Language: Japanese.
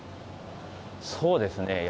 そうですね。